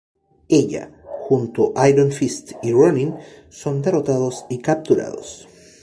Ella, junto Iron Fist y Ronin son derrotados y capturados.